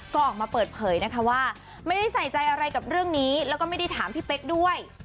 ก็ออกมาเปิดเผยนะคะว่าไม่ได้ใส่ใจอะไรกับเรื่องนี้แล้วก็ไม่ได้ถามพี่เป๊กด้วย